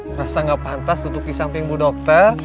merasa gak pantas duduk di samping bu dokter